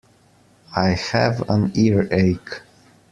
I have an earache